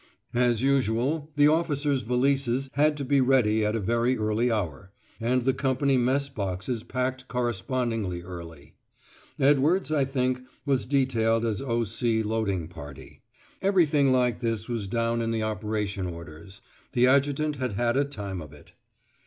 As usual, the officers' valises had to be ready at a very early hour, and the company mess boxes packed correspondingly early. Edwards, I think, was detailed as O.C. loading party. Everything like this was down in the operation orders. The adjutant had had a time of it.